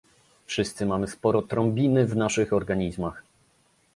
Wszyscy mamy sporo trombiny w naszych organizmach